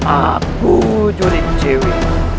aku jodik dewi